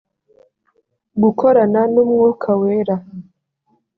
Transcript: gukorana n umwuka wera